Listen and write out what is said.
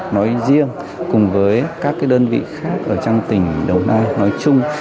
nói riêng cùng với các đơn vị khác ở trong tỉnh đồng nai nói chung